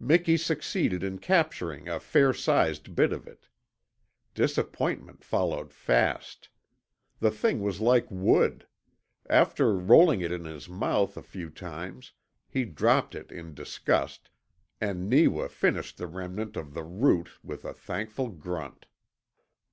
Miki succeeded in capturing a fair sized bit of it. Disappointment followed fast. The thing was like wood; after rolling it in his mouth a few times he dropped it in disgust, and Neewa finished the remnant of the root with a thankful grunt.